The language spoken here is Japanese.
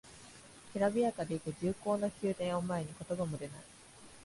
きらびやかでいて重厚な宮殿を前に言葉も出ない